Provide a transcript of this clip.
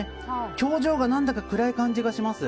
表情が暗い感じがします。